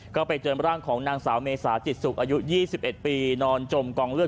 ก็ไปเจอร่างของนางสาวเมษาจิตสุขอายุ๒๑ปีนอนจมกองเลือด